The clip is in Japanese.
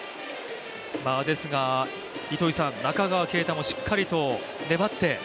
ですが、中川圭太もしっかりと粘って。